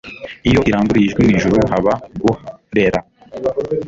Iyo iranguruye ijwi mu ijuru haba guh rera